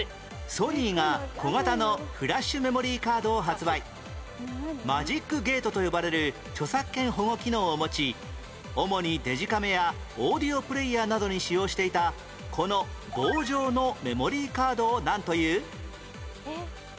２４年前マジックゲートと呼ばれる著作権保護機能を持ち主にデジカメやオーディオプレーヤーなどに使用していたこの棒状のメモリーカードをなんという？